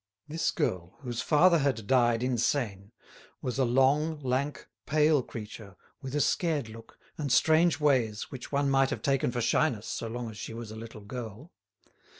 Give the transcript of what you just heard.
This girl, whose father had died insane, was a long, lank, pale creature, with a scared look and strange ways which one might have taken for shyness so long as she was a little girl.